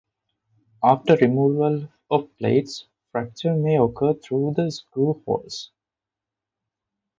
After removal of plates, fractures may occur through the screw holes.